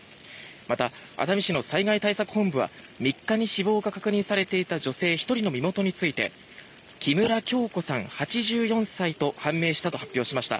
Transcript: また、熱海市の災害対策本部は３日に死亡が確認されていた女性１人の身元について木村京子さん、８４歳と判明したと発表しました。